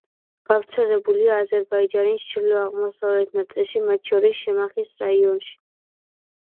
გავრცელებულია აზერბაიჯანის ჩრდილო-აღმოსავლეთ ნაწილში, მათ შორის შემახის რაიონში.